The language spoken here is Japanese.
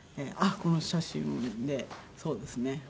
あっこの写真そうですね。